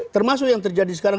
termasuk yang terjadi sekarang